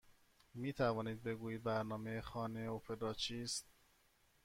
می توانید بگویید برنامه خانه اپرا چیست؟